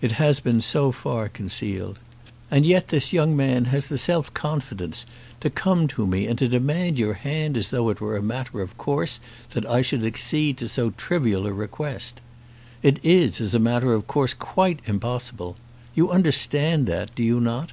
"It has been so far concealed. And yet this young man has the self confidence to come to me and to demand your hand as though it were a matter of course that I should accede to so trivial a request. It is, as a matter of course, quite impossible. You understand that; do you not?"